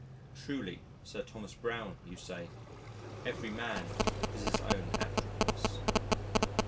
Truly Sir Thomas Browne you say, "Every man is his own Atropos."